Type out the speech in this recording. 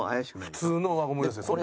普通の輪ゴムですね。